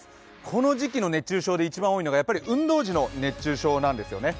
この時期の熱中症で一番多いのが運動時の熱中症なんですよね。